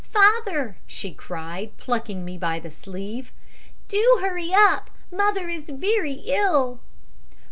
'Father,' she cried, plucking me by the sleeve, 'do hurry up. Mother is very ill.'